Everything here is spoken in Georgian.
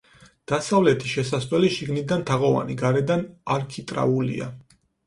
დასავლეთი შესასვლელი შიგნიდან თაღოვანი, გარედან არქიტრავულია.